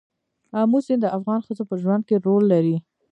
آمو سیند د افغان ښځو په ژوند کې رول لري.